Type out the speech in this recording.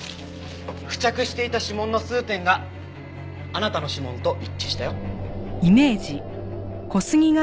付着していた指紋の数点があなたの指紋と一致したよ。